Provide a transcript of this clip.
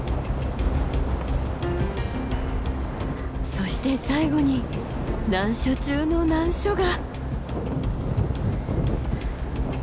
そして最後に難所中の難所が。